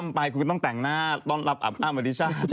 ไปนั่งเฝ้าอยู่